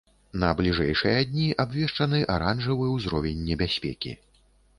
На бліжэйшыя дні абвешчаны аранжавы ўзровень небяспекі.